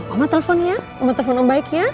oma telepon ya oma telepon om baik ya